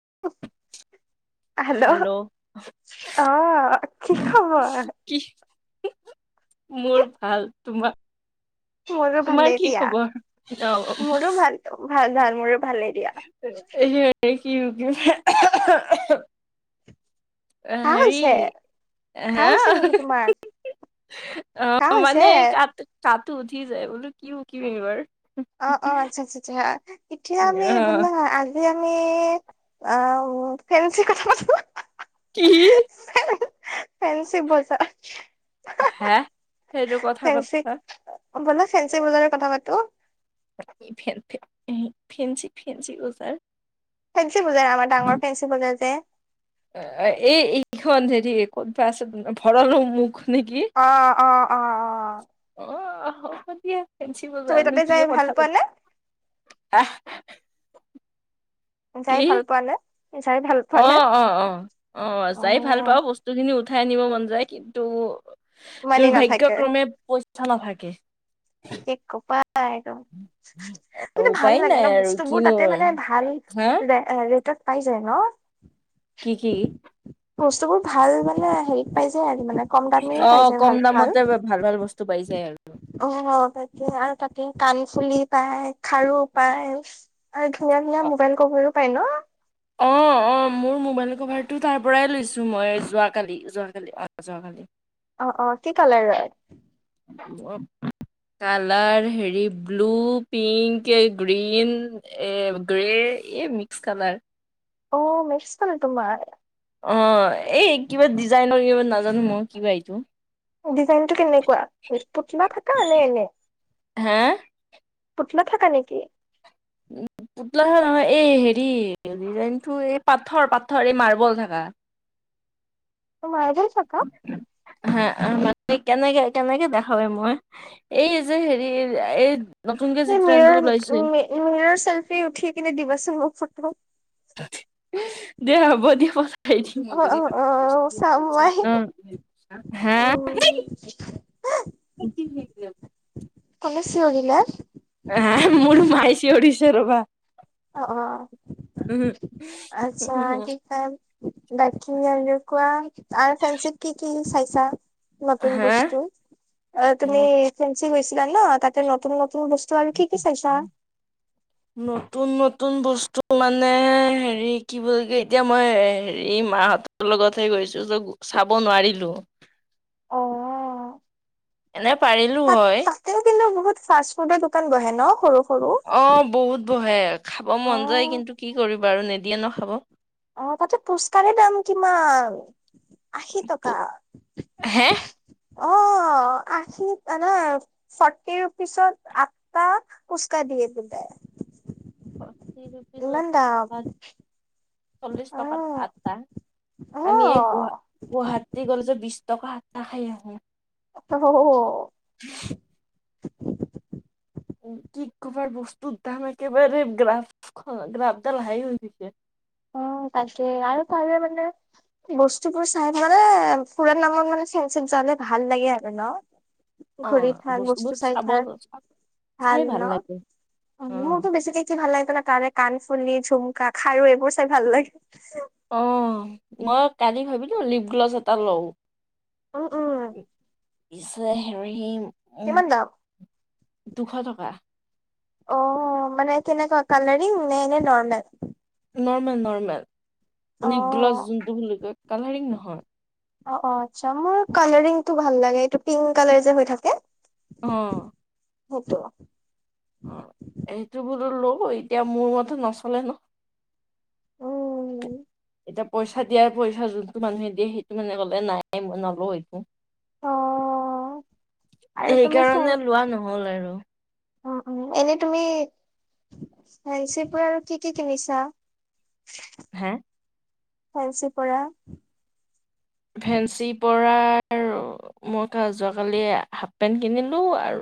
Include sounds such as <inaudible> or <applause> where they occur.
<unintelligible> Hello কি খবৰ? কি মোৰ ভাল তোমাৰ মোৰো তোমাৰ ভালেই কি দিয়া খবৰ অহ মোৰো ভাল ভাল ভাল মোৰো ভালেই দিয়া স কি কি <unintelligible> অহ, কাহ হেৰি হৈছে কাহ হা হৈছে নেকি তোমাৰ কাহ অ', হৈছে মানে ক কাঁহ উঠি যায় বোলো কি <unintelligible> বাৰ অ', অ', আচ্ছা, আচ্ছা আচ এতিয়া আমি বল অ এই আমি কি হে সেইটো কথা পতা <unintelligible> <unintelligible> <unintelligible> ফেঞ্চিক ফেঞ্চি বজাৰ ফেঞ্চি বজাৰ আমাৰ ডাঙৰ ফেঞ্চি বজাৰ যে এই এইখন হেৰি ক'ব আছে ভৰালৰ মুখ নেকি অ অ অ অ অ তুমি তাতে যাই ভাল পোৱা নে <unintelligible> যাই কি ভাল পোৱা নে যাই ভাল পোৱা অ নে অ অ অ যাই ভাল অ পাওঁ বস্তুখিনি উ উঠাই আনিব মন যায় কিন্তু মানি দুৰ্ভাগ্য নাথাকে ক্ৰমে পইচা নাথাকে অ একদম কিন্তু ভাল উপায় লাগে নাই ন আৰু বস্তুবোৰ কিনো তাতে মানে আৰু। ভাল হা ৰেটত পাইজায় ন কি কি বস্তুবোৰ ভাল মানে হেৰিত পাই যায় আৰু মানে কম দামেও পাই অ', যায় কম ভাল ভাল দামতে ভাল বস্তু পাই যায় আৰু অ তাকে আৰু তাকতে কাণফুলি পায় খাৰু পায় আৰু ধুনীয়া ধুনীয়া অ', মোবাইল কবৰো পায় ন অ', মোৰ মোবাইল কভাৰটো তাৰ পৰাই লৈছো মই যোৱাকালি যোৱাকালি অ যোৱাকালি অ অ কি কালাৰ অ কালাৰ হেৰি ব্লু পিংক গ্ৰীন এ <unintelligible> এই মিক্স কালাৰ অ মেছছিলান তোম অ এই কিবা ডিজাইনৰ কিব নাজানো মই কিবা এইটো ডিজাইনটো কেনেকুৱা কিবা পটা নে এনে হা <unintelligible> থাকা নেকি <unintelligible> নহয় এই হেৰি ডিজাইনটো এই পাথৰ পাথৰ এই মাৰ্বল থকা অ হা <unintelligible> কেনেকে কেনেকে দেখাবে মই এই যে হেৰি এই নতুনকে যি ট্ৰেণ্ডত ওলাইছে মীয়াৰ চেল্ফি উঠি কিনে দিবা চোন মোক ফটো অ অ অ <unintelligible> চাম মই <unintelligible> হম এ কমছেি হয় হা মোৰ <unintelligible> অ আচ্ছা কি খ বাকী কোৱা আৰু ফেনচিভ কি কি চাইছা নতুন হা বস্তু তুমি ফেঞ্চি গৈছিলা ন তাতে নতুন ন তোৰ বস্তু আৰু কি কি চাইছা নতুন নতুন বস্তু মানে হেৰি কি বুলি কৈ এতিয়া মই হেৰি মাহঁতৰ লগতহে গৈ ছো যে চাব নোৱাৰিলো অ এনে পাৰিলো ত হয় তাতেও কিন্তু বহুত ফাষ্ট ফুডৰ দোকান বহে ন সৰু অ বহুত বহে খাব অ মন যায় কিন্তু কি কৰিব আৰু নিদিয়ে নখাব অ তাতে পোচকাৰে দাম কিমান আশী টকা প- হে অ আশী আনা ফৰ্টি ৰুপিচত আঠটা ফুচকা দিয়ে <unintelligible> ইমান তিৰিপিক দাম আ চল্লিশ অ', টকাত আটা আমি এই গ অ', গুৱাহাটী গলে যে বিশ টকা আতা খাই আহো। আ কি কবাৰ বস্তুৰ দাম একেবাৰে গ্ৰাফ গ্ৰাফডাল হাই হৈ দিছে। অ, তাকে আৰু ত মানে বস্তুবোৰ চাইদ মানে ফুৰান নামত মানে চ ভাল লাগে আৰু ন অ ঘূৰি থাক বস্তুবোৰ বস্তু চাই চাব থাক। ভাল চাই ন লাগে অ মোৰতো বেছিকে কি ভাল লাগে তাৰে কান। পুলি ঝুমকা খাৰু এইবোৰ চাই ভাল লাগে। অ মই কালি ভাবিলো লিপ গ্ল'ভছ এটা লওঁ, উম উম চে হেৰি হিম, কিমান দাম, দুশ টকা, অ মানে কেনেকুৱা কালাৰিং নে এনে নৰমেল। নৰ্মেল নৰ্মেল লিপ অ', গ্লভ যোনটো বুলি কয় কালাৰিং নহয়। অ অ মোৰ কালাৰিং টো ভাল লাগে এইটো পিংক কালাৰ যে হৈ থাকে। অ, সেইটো। অ এই ইটো বোলো ল এতিয়া মোৰ মতে নচলে ন। উম এতিয়া, পইচা দিয়াৰ পইচা যোনটো মানুহে দিয়ে সেইটো মানুহে কলে নাই মই নলো এইটো। অ আৰু সেইকাৰণে লোৱা নহল আৰু অ' অ' এনেই তুমি ফেঞ্চি পৰা আৰু কি - কি কিনিছা? হা? ফ্ৰঞ্চ পৰা। <inaudible> ফেঞ্চিৰ পৰা মই যোৱাকালি হাফ পেন্ট কিনিলো আৰু।